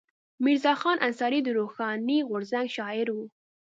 میرزا خان انصاري د روښاني غورځنګ شاعر و.